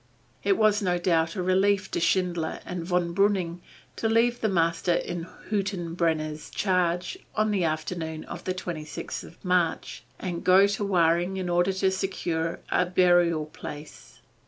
It was, no doubt, a relief to Schindler and Von Breuning to leave the master in Hüttenbrenner's charge on the afternoon of the 26th of March, and go to Wahring in order to secure a burial place.